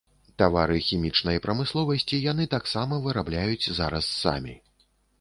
Тавары хімічнай прамысловасці яны таксама вырабляюць зараз самі.